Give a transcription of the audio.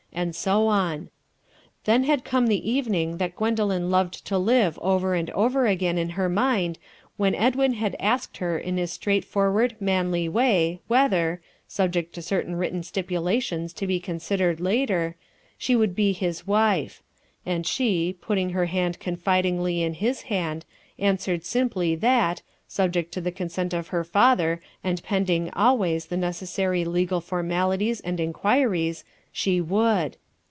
and so on. Then had come the evening that Gwendoline loved to live over and over again in her mind when Edwin had asked her in his straightforward, manly way, whether subject to certain written stipulations to be considered later she would be his wife: and she, putting her hand confidingly in his hand, answered simply, that subject to the consent of her father and pending always the necessary legal formalities and inquiries she would.